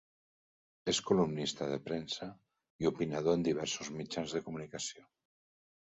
És columnista de premsa i opinador en diversos mitjans de comunicació.